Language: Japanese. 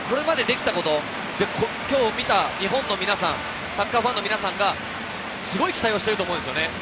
１位の相手にここまで出来たこと、今日見た日本の皆さん、サッカーファンの皆さんが、すごい期待していると思うんです。